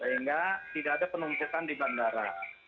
sehingga tidak ada penumpukan di bandara